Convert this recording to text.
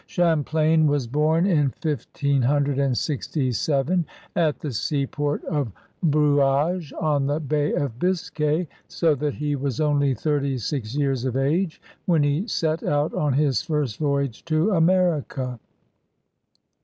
Champlain was bom in 1567 at the seaport of Brouage, on the Bay of Biscay, so that he was only thirty six years of age when he set out on his first voyage to America.